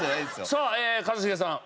さあ一茂さん。